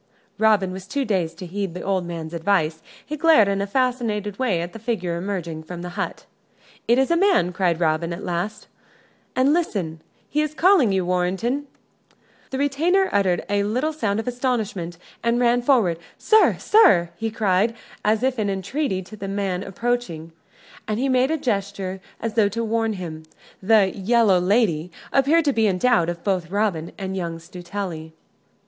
Robin was too dazed to heed the old man's advice. He glared in a fascinated way at the figure emerging from the hut. "It is a man," cried Robin, at last, "and listen he is calling you, Warrenton." The retainer uttered a little sound of astonishment and ran forward. "Sir sir," he cried, as if in entreaty, to the man approaching: and he made a gesture as though to warn him. The "Yellow Lady" appeared to be in doubt both of Robin and young Stuteley.